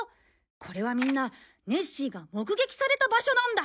これはみんなネッシーが目撃された場所なんだ！